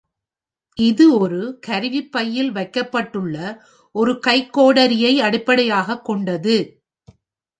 இது ஒரு கருவி பையில் வைக்கப்பட்டுள்ள ஒரு கைக்கோடாரியை அடிப்படையாகக் கொண்டது.